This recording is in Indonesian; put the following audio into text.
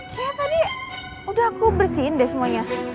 kayak tadi udah aku bersihin deh semuanya